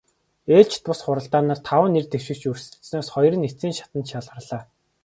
Ээлжит бус хурлаар таван нэр дэвшигч өрсөлдсөнөөс хоёр нь эцсийн шатанд шалгарлаа.